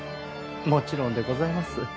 もちろんでございます。